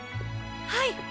はい！